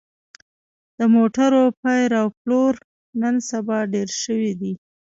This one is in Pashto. د موټرو پېر او پلور نن سبا ډېر شوی دی